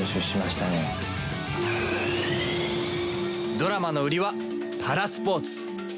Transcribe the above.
ドラマの売りはパラスポーツ。